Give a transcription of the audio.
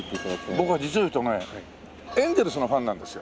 僕は実を言うとねエンゼルスのファンなんですよ。